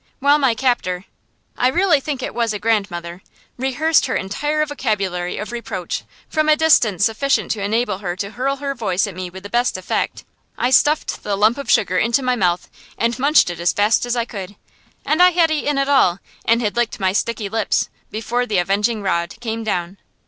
While my captor I really think it was a grandmother rehearsed her entire vocabulary of reproach, from a distance sufficient to enable her to hurl her voice at me with the best effect, I stuffed the lump of sugar into my mouth and munched it as fast as I could. And I had eaten it all, and had licked my sticky lips, before the avenging rod came down.